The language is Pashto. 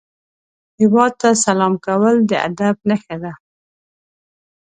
هیواد ته سلام کول د ادب نښه ده